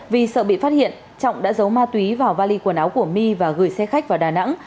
vì sợ bị phát hiện trọng đã giấu ma túy vào vali quần áo của my và gửi xe khách vào đà nẵng